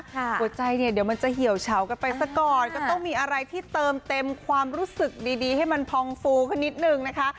หัวใจเนี่ยเดี๋ยวมันจะเหี่ยวเฉากันไปสักก่อนก็ต้องมีอะไรที่เติมเต็มความรู้สึกดีให้มันพองฟูขึ้นนิดนึงนะคะ